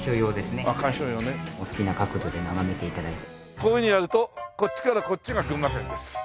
こういうふうにやるとこっちからこっちが群馬県です。